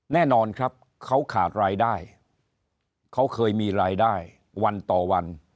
แน่นอนครับเขาขาดรายได้เขาเคยมีรายได้วันต่อวัน